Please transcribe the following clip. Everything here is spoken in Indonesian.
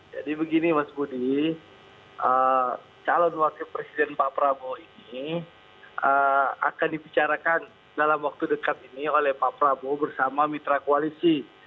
jadi begini mas budi calon wakil presiden pak prabowo ini akan dibicarakan dalam waktu dekat ini oleh pak prabowo bersama mitra koalisi